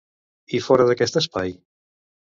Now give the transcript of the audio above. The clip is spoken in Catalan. I fora d'aquest espai?